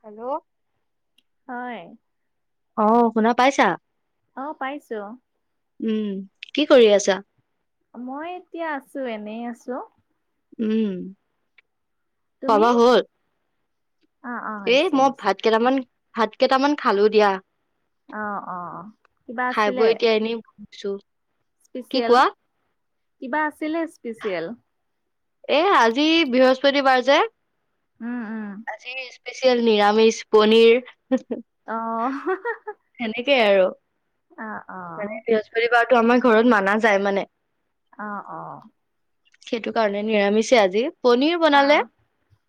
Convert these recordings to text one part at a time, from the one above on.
Hello? হয়। অ', শুনা পাইছা? অ', পাইছো। উম, কি কৰি আছা? মই এতিয়া আছো এনেই আছো। উম, তুমি খোৱা-বোৱা হ'ল? অ অ এ হৈছে মই হৈছে ভাত কেইটামান ভাত কেইটামান খালো দিয়া। অ', অ', কিবা আছিলে? ছো স্পেচিয়েল, কিবা আছিলে স্পেচিয়েল? এ আজি বৃহস্পতিবাৰ যে, উম উম আজি স্পেচিয়েল নিৰামিষ পনীৰ। অ'। তেনেকেই আৰু, অ অ মানে বৃহস্পতিবাৰতো আমাৰ ঘৰত মানা যায় মান। অ', অ'। সেইটো কাৰণে নিৰামিছে আজি পনিৰ অ বনালে,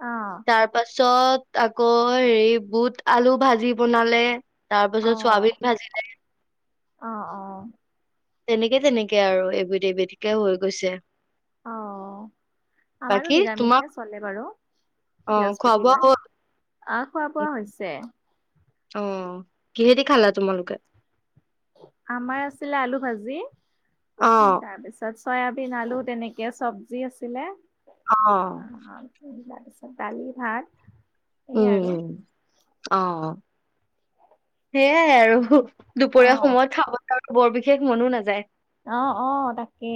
অ তাৰ পাছত আকৌ হেৰি বুট আলু ভাজি বনালে। তাৰ অ পাছত চয়াবিন ভাজিল। অ', অ'। তেনেকে তেনেকে আৰু এবিধ এবিধিকে হৈ গৈছে। অ', আমাৰো বাকী তোমাৰ নিৰামিষে চলে বাৰু। অ', খোৱা বোৱা বৃহস্পতিবাৰ, হ'ল? আহ, খোৱা বোৱা হৈছে। অ'। কিহে দি খালা তোমালোকে? আমাৰ আছিলে আলু ভাজি, অ', তাৰপিছত চয়াবিন, আলু, তেনেকে চব্জি আছিলে। অ', [unintelligible] তাৰ পিছত দালি ভাত। এই উম, আৰু উম, অ', অ'। সেইয়াই আৰু দুপৰীয়া অ', সময়ত খাবৰ কাৰণে বৰ বিশেষ মনো নাযায়। অ', অ, তাকে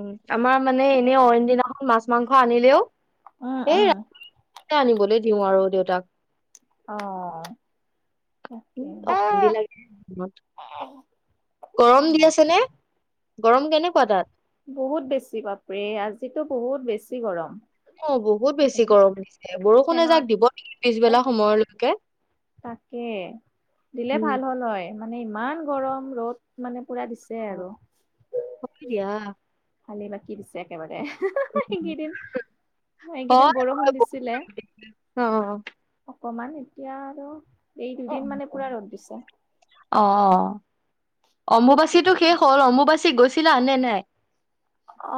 উম, আমাৰ মানে এনেও অইন দিনাখন মাছ মাংস আনিলেও, উম, সেই ৰা উম, তিয়েই আনিবলৈ দিওঁ আৰু দেউতাক। অ' [inaudible] তাকে গৰম দি আছে নে, গৰম কেনেকুৱা তাত? বহুত বেছি, বাপৰে আজিতো বহুত বেছি গৰম! অ, বহুত বেছি গৰম লাগিছে, বৰষুণ ফেনৰ এজাক দিব নেকি পিছবেলা সময়লৈকে! তাকে, দিলে উম, ভাল হ'ল হয়, মানে ইমান গৰম, ৰ'দ মানে পুৰা দিছ [inaudible] [inaudible] একেবাৰে, এইকেইদিন, এইকেইদিন হয়, হয়, বৰষুণ বহুত দিছিলে অ' অকমান এতিয়া আৰু, এই দুদিন উম। মানে পুৰা ৰ'দ দিছে। অ', খুব অম্বুবাচীতো বেছি শেষ হ'ল, অম্বুবাচী গৈছিলা নে নাই?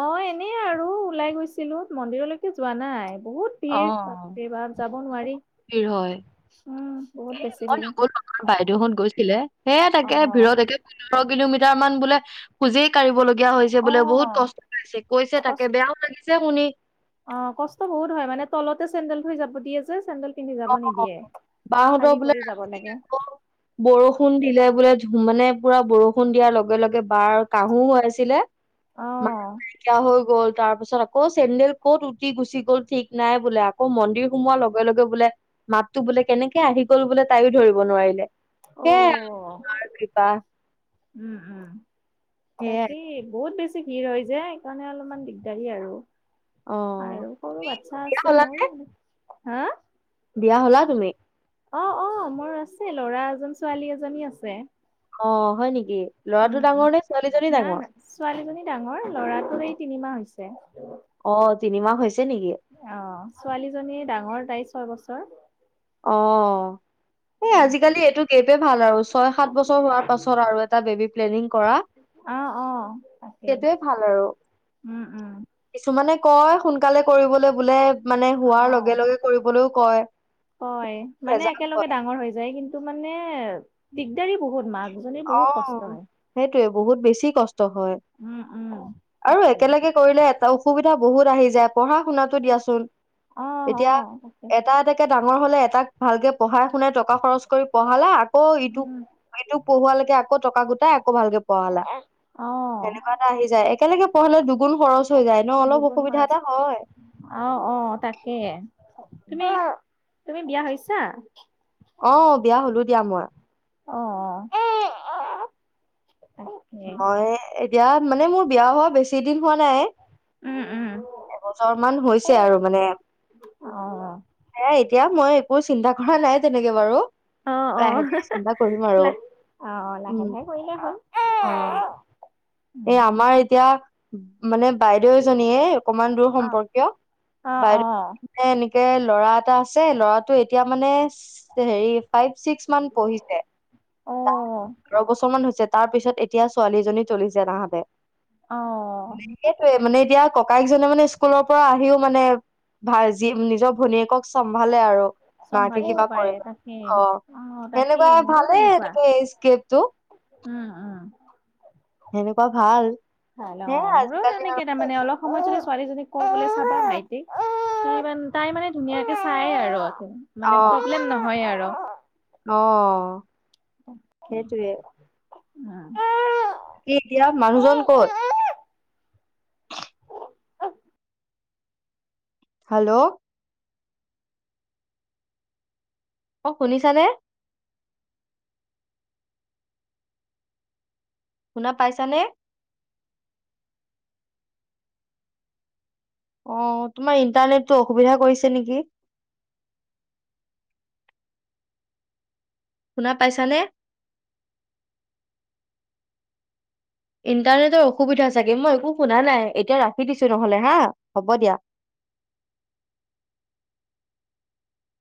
অ', এনেই আৰু ওলাই গৈছিলো, মন্দিৰলৈকে যোৱা নাই। বহুত অ ভিৰ, বাপৰে বাপ, যাব নোৱাৰি! ভিৰ হয় উম বহুত বেছি ভিৰ [unintelligible] বাইদেউহঁত গৈছিলে। হে অ তাকে ভিৰত একে [unintelligible] কিলোমিটাৰ মান বোলে খোজেই কাঢ়িব লগীয়া হৈছ যাবলৈ অ বোলে, বহুত কষ্ট পাইছে্ কৈছে কচ তাকে, বেয়াও লাগিছে শুনি। অ', কষ্ট বহুত হয়, মানে তলতে চেন্দেল থৈ যাব দিয়ে যে, চেন্দেল পিন্ধি যাব অ নিদিয়ে, বাহঁতৰ খালী বোলে ভৰি যাব লাগে। আকৌ বৰষুণ দিলে বোলে মানে পুৰা বৰষুণ দিয়াৰ লগে লগে বাৰ কাহু হৈ আছিলে অ [inaudible] কাহ হৈ গ'ল, তাৰ পিছত আকৌ চেণ্ডেল ক'ত উটি গুচি গ'ল, ঠিক নাই বোলে আক কৌ মন্দিৰ সোমোৱাৰ লগে লগে বোলে মাততো বোলে কেনেকে আহি গ'ল বোলে তাইও ধৰিব নোৱাৰিলে। সেয়াই মাৰ কৃপা! উম, উম, সেয়াই তাকে, বহুত বেছ ছি ভিৰ হয় যে, সেইকাৰণে অলপমান দিগদাৰী আৰু। অ আৰু সৰু বাচ্ছা বিয়া আছে হলা মোৰ, নে হাঁ অ, বিয়া হলা তুমি অ', মোৰ আছে, ল'ৰা এজন ছোৱালী এজনী আছে। অ', হয় নেকি, ল'ৰাটো উম উম ডাঙৰ নে ছোৱালীজনী না ডাঙৰ? না ছোৱালীজনী ডাঙৰ, লৰাটোৰ এই তিনিমাহ হৈছে। অ', তিনিমাহ হৈছে নেকি? অ', ছোৱালীজনীয়ে ডাঙৰ, তাইৰ ছয় বছৰ অ' এই আজিকালি এইটো গেপে ভাল আৰু, ছয় সাত বছৰ হোৱাৰ পাছত আৰু এটা বেবী প্লেনিং কৰা অ', অ, তাকেই। সেইটোয়ে ভাল আৰু উম, উম কিছুমানে কয় সোনকালে কৰিবলৈ, বোলে মানে অ হোৱাৰ লগে লগে কৰিবলৈও কয় হয়, মানে ৰেজাল্ট একেলগে হয় ডাঙৰ হৈ যায়, কিন্তু মানে দিগদাৰি বহুত মাক অ', সেইটোৱে, বহুত বেছি কষ্ট হয় উম, উম আৰু একেলগে কৰিলে এটা অসুবিধা বহুত আহি যায়, পঢ়া শুনাত টো দিয়াচোন, অ অ এতিয়া তাকে এটা এটাক কে ডাঙৰ হলে, এটাক ভালকে পঢ়াই শুনাই টকা খৰচ কৰি পঢ়ালা, আকৌ ইটোক, উম ইটোক কে আকৌ টকা গোটাই আকৌ ভালকে পাঢ়ালা। অ সেনেকুৱা এটা আহি যায়, একেলগে পঢ়ালে দুগুণ খৰচ হৈ যায় ন' অলপ দুগুণ অসুবিধা খৰচ এটা হয়। অ', অ', তাকে তুমি, তুমি বিয়া হৈছা? অ', বিয়া হলোঁ দিয়া মই। অ', অ', অ'। মই এতিয়া মানে মোৰ বিয়া হোৱা বেছি দিন হোৱা নাই। উম উম এবছৰ মান হৈছে আৰু মানে অ'। সেয়াই এতিয়া মই একো চিন্তা কৰা নাই, তেনেকে বাৰু। অ', লাহে অ', লাহে চিন্তা কৰিম অ', আৰু উম লাহে লাহে কৰিলে হ'ল। অ'। [inaudible] এই আমাৰ এতিয়া মানে বাইদেউ এজনীয়ে অকমান দূৰ অ', সম্পৰ্কীয়, অ', বাইদেউ অ', এ, এনেকে ল'ৰা এটা আছে, ল'ৰাটো এতিয়া, মানে, হেৰি, ফাইভ ছিক্স মান পঢ়িছে ত, অ'। তেৰ বছৰ মান হৈছে, তাৰ পিছত এতিয়া ছোৱালীজনী চলিছ যে তাহাঁতে। অ'। সেইটোৱে, মানে, এতিয়া ককায়েকজনে, মানে স্কুলৰ পৰা আহিও, মানে ভাই, যি নিজৰ ভনীয়েকক চম্ভালে আৰু। মাকে চম্ভালিব কিবা কৰে পাৰে নেকি? তাকে অ', তাকে সেনেকুৱা মোৰো ভালে তেনেকুৱা এনেকে এইকপটো। উম, উম। সেনেকুৱা ভাল। ভাল হে অ', মোৰো আজিকালি আৰু তেনেকে কে মানে অলপ সময় যদি ছোৱালীজনীক কওঁ, চাবা, তাই মানে ধুনীয়াকৈ চাই আৰু মানে অ', প্ৰব্লেম নহয় আৰু। অ'। সেইটোৱে [inaudible] কি এতিয়া মানুহজন ক'ত? হেল্ল'। অ', শুনিছানে? শুনা পাইছানে? অ', তোমাৰ ইণ্টাৰনেটো অসুবিধা কৰিছে নেকি? শুনা পাইছানে? ইণ্টাৰনেটৰ অসুবিধা, চাগে, মই একো শুনা নাই এতিয়া ৰাখি দিছোঁ, নহ'লে হা হ'ব দিয়া।